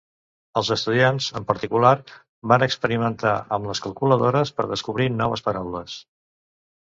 Els estudiants, en particular, van experimentar amb les calculadores per descobrir noves paraules.